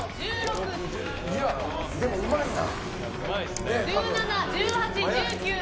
でも、うまいな。